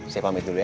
saya pamit dulu ya